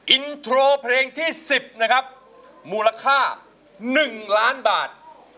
อินโทรเพลงที่๑๐นะครับมูลค่า๑ล้านบาท